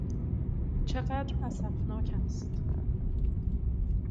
چقدر اسفناک است!